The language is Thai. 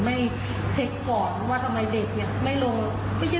และอ่ำขา